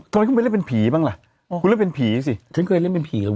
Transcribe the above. ชวนพี่หนุ่มไปเล่นสิใส่สั้นใหม่นะ